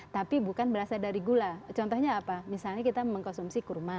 tapi bukan berasal dari gula contohnya apa misalnya kita mengkonsumsi kurma